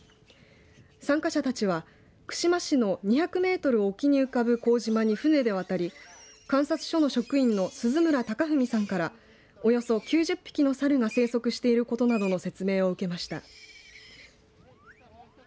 参加者たちは串間市の２００メートル沖に浮かぶ幸島に船で渡り観察者の職員の鈴村崇文さんからおよそ９０匹の猿が生息していることなどの説明を受けました。